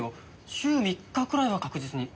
週３日くらいは確実に。